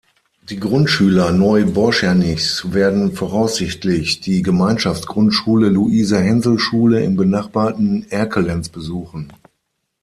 Die Grundschüler Neu-Borschemichs werden voraussichtlich die Gemeinschaftsgrundschule Luise-Hensel-Schule im benachbarten Erkelenz besuchen.